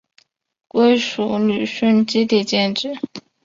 归属旅顺基地建制。